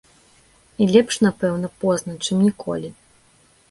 І лепш, напэўна, позна, чым ніколі.